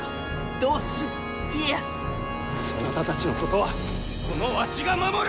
どうする家康そなたたちのことはこのわしが守る！